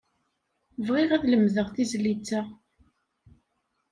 Bɣiɣ ad lemdeɣ tizlit-a.